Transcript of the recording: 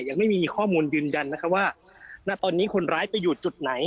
ยังไม่มีข้อมูลยืนยันนะคะว่าณตอนนี้คนร้ายจะอยู่จุดไหน